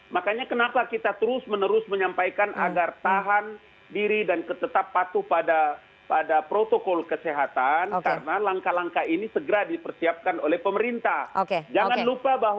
makanya kenapa kita terus menerus menyampaikan agar tahan diri dan tetap patuh pada protokol kesehatan karena langkah langkah ini segera dipersiapkan oleh pemerintah